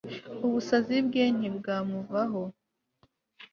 ubusazi bwe ntibwamuvaho